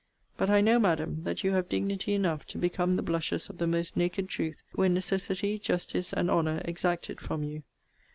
But I know, Madam, that you have dignity enough to become the blushes of the most naked truth, when necessity, justice, and honour, exact it from you.